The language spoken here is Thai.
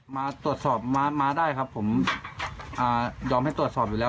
มาตรวจสอบมาได้ครับผมยอมให้ตรวจสอบอยู่แล้ว